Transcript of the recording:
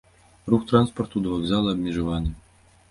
Рух транспарту да вакзала абмежаваны.